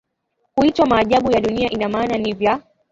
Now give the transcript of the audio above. kuitwa maajabu ya dunia ina maana ni vya